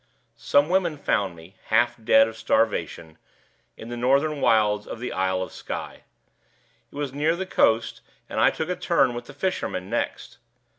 Some women found me, half dead of starvation, in the northern wilds of the Isle of Skye. It was near the coast and I took a turn with the fishermen next.